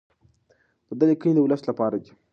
د ده لیکنې د ولس لپاره دي.